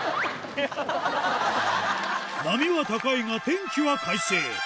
波は高いが天気は快晴。